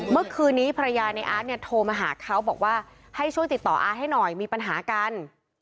เมื่อคืนนี้ภรรยาในอาร์ตเนี่ยโทรมาหาเขาบอกว่าให้ช่วยติดต่ออาร์ตให้หน่อยมีปัญหากัน